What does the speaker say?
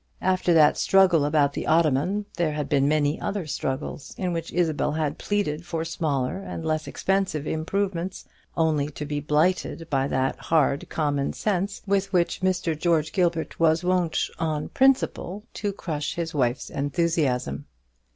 After that struggle about the ottoman, there had been many other struggles in which Isabel had pleaded for smaller and less expensive improvements, only to be blighted by that hard common sense with which Mr. George Gilbert was wont on principle to crush his wife's enthusiasm.